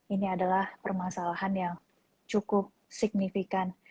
ini adalah permasalahan yang cukup signifikan